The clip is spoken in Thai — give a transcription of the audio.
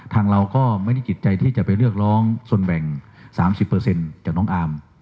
ทางเราก็ไม่ได้กิจใจที่จะไปเลือกร้องส่วนแหล่ง๓๐เปอร์เซ็นต์จากน้องอาม